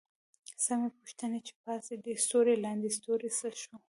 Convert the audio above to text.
څه مې پوښتې چې پاس دې ستوری لاندې سیوری څه شو؟